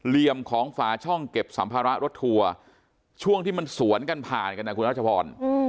เหลี่ยมของฝาช่องเก็บสัมภาระรถทัวร์ช่วงที่มันสวนกันผ่าน